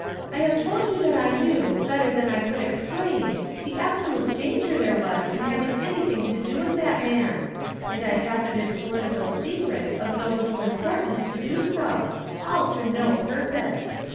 I have told you th icnew, better than I could exi)lain, the absolut tanger there was in having anything to do with that man; and I hazarded political secrets of no little importance to do so, all to no purpose.